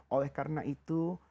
oleh karena itu